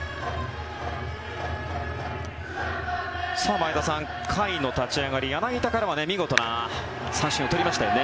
前田さん、甲斐の立ち上がり柳田からは見事な三振を取りましたよね。